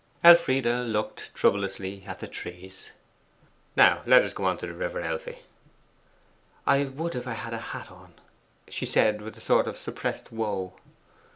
Elfride looked troublously at the trees. 'Now let us go on to the river, Elfie.' 'I would if I had a hat on,' she said with a sort of suppressed woe.